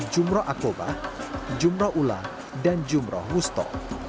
jumroh akobah jumroh ulah dan jumroh wusto